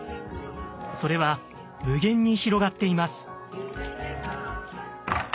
それは無限に広がっています。